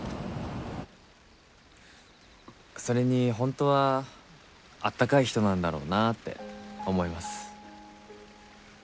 それに本当はあったかい人なんだろうなって思います。